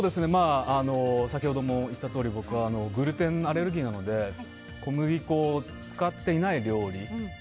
先ほども言ったとおり僕はグルテンアレルギーなので小麦粉を使っていない料理。